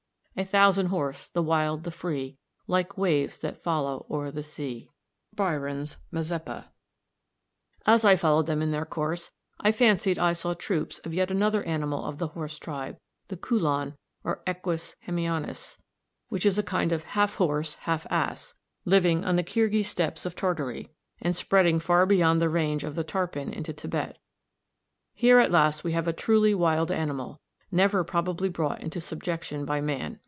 A thousand horse, the wild, the free, Like waves that follow o'er the sea." Byron's Mazeppa. As I followed them in their course I fancied I saw troops of yet another animal of the horse tribe, the "Kulan," or Equus hemionus, which is a kind of half horse, half ass (Fig. 74), living on the Kirghiz steppes of Tartary and spreading far beyond the range of the Tarpan into Tibet. Here at last we have a truly wild animal, never probably brought into subjection by man.